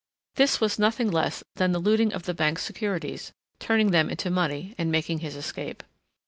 This was nothing less than the looting of the bank's securities, turning them into money, and making his escape.